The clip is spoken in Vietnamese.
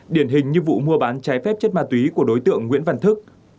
điển hình như vụ mua bán trái phép chất ma túy của đối tượng nguyễn văn thức